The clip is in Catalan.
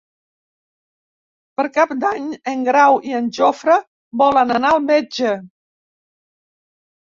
Per Cap d'Any en Grau i en Jofre volen anar al metge.